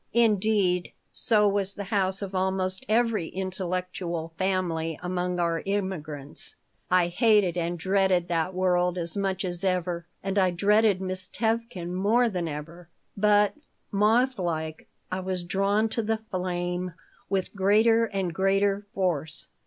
Indeed, so was the house of almost every intellectual family among our immigrants. I hated and dreaded that world as much as ever and I dreaded Miss Tevkin more than ever, but, moth like, I was drawn to the flame with greater and greater force.